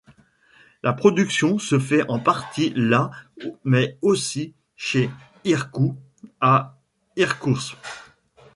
La production se fait en partie là mais aussi chez Irkout à Irkoutsk.